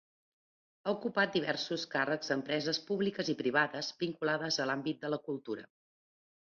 Ha ocupat diversos càrrecs a empreses públiques i privades, vinculades a l'àmbit de la cultura.